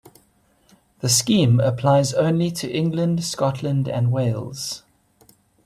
The scheme applies only to England, Scotland and Wales.